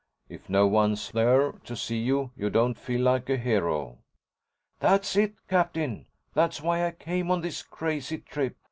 If no one's there to see you, you don't feel like a hero." "That's it, Captain! That's why I came on this crazy trip.